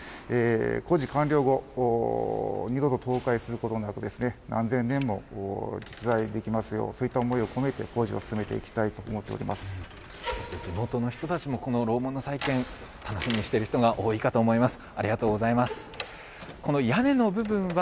工事完了後、二度と倒壊することなく、安全の面もできますよう、そういった思いを込めて工事を進めて地元の人たちもこの楼門の再建、楽しみにしている人が多いかと思います。